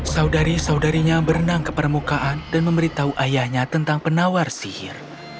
saudari saudarinya berenang ke permukaan dan memberitahu ayahnya tentang penawar sihir